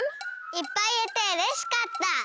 いっぱいいえてうれしかった。